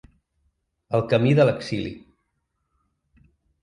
El camí de l’exili.